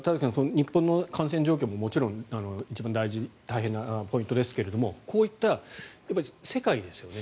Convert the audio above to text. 日本の感染状況ももちろん一番大事大変なポイントですがこういった世界ですよね。